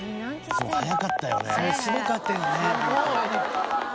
すごかったよね。